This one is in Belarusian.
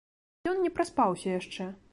Ён не праспаўся яшчэ.